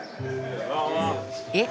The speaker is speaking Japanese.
えっ！？